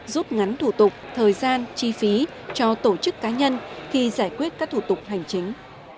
giúp ngắn thủ tục thời gian chi phí cho tổ chức cá nhân khi giải quyết các thủ tục hành chính